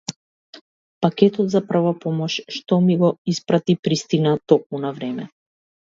Пакетот за прва помош што ми го испрати пристигна токму на време.